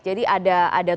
jadi ada tuduhan ada dugaan